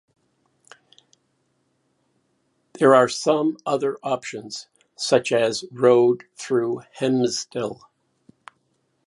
There are some other options such as the road through Hemsedal.